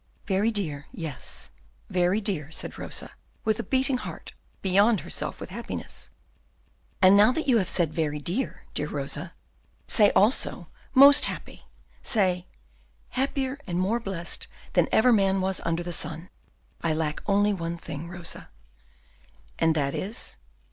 "Very dear, yes, very dear," said Rosa, with a beating heart, beyond herself with happiness. "And now that you have said 'very dear,' dear Rosa, say also 'most happy': say 'happier and more blessed than ever man was under the sun.' I only lack one thing, Rosa." "And that is?"